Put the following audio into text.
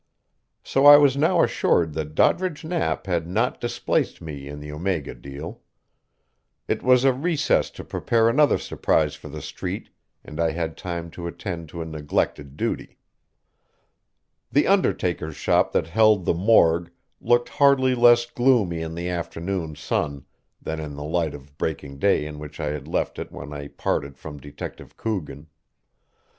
So I was now assured that Doddridge Knapp had not displaced me in the Omega deal. It was a recess to prepare another surprise for the Street, and I had time to attend to a neglected duty. The undertaker's shop that held the morgue looked hardly less gloomy in the afternoon sun than in the light of breaking day in which I had left it when I parted from Detective Coogan.